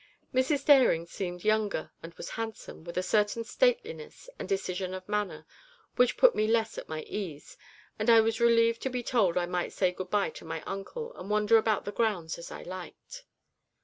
Mrs. Dering seemed younger, and was handsome, with a certain stateliness and decision of manner which put me less at my ease, and I was relieved to be told I might say good bye to my uncle, and wander about the grounds as I liked.